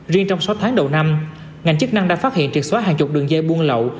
riêng trong sáu tháng đầu năm ngành chức năng đã phát hiện triệt xóa hàng chục đường dây buôn lậu